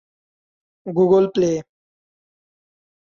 Google Play